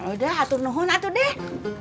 udah atur nuhur atur deh